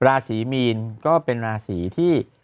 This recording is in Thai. ราศีมีนก็เป็นราศีที่